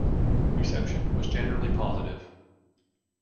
Reception was generally positive.